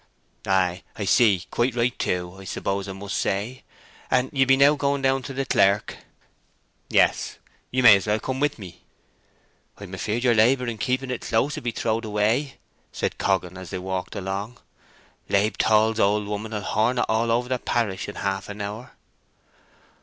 "Ay, I see: quite right, too, I suppose I must say. And you be now going down to the clerk." "Yes; you may as well come with me." "I am afeard your labour in keeping it close will be throwed away," said Coggan, as they walked along. "Labe Tall's old woman will horn it all over parish in half an hour."